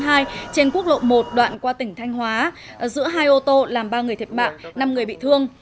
trên quốc lộ một đoạn qua tỉnh thanh hóa giữa hai ô tô làm ba người thiệt mạng năm người bị thương